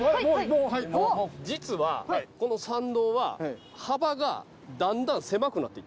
実はこの参道は幅がだんだん狭くなっていってる。